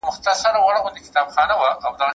چې ما یې د ډبرو په زنګون ایښی و سر